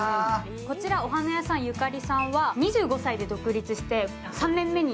こちらお花屋さんは２５歳で独立して３年目。